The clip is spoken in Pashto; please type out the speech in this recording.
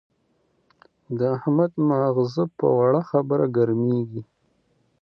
د احمد ماغزه په وړه خبره ګرمېږي.